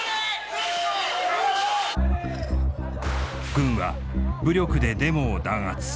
軍は武力でデモを弾圧。